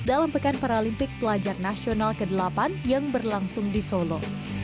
dalam pekan paralimpik pelajar nasional ke delapan yang berlangsung di solo